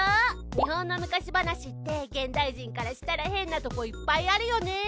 日本の昔話って現代人からしたら変なとこいっぱいあるよね。